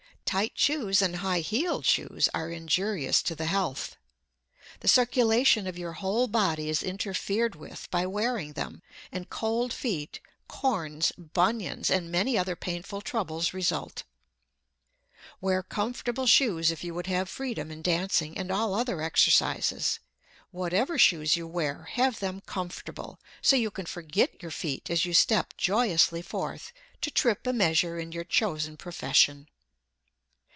Tight shoes and high heeled shoes are injurious to the health. The circulation of your whole body is interfered with by wearing them, and cold feet, corns, bunions and many other painful troubles result. Wear comfortable shoes if you would have freedom in dancing and all other exercises. Whatever shoes you wear, have them comfortable, so you can forget your feet as you step joyously forth to trip a measure in your chosen profession.